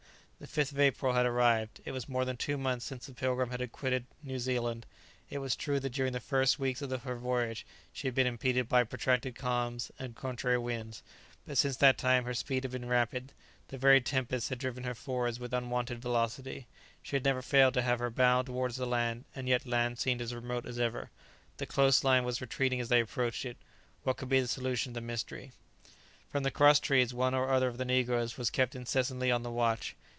The 5th of April had arrived. It was more than two months since the "Pilgrim" had quitted New Zealand; it was true that during the first three weeks of her voyage she had been impeded by protracted calms and contrary winds; but since that time her speed had been rapid, the very tempests had driven her forwards with unwonted velocity; she had never failed to have her bow towards the land, and yet land seemed as remote as ever; the coast line was retreating as they approached it. What could be the solution of the mystery? From the cross trees one or other of the negroes was kept incessantly on the watch.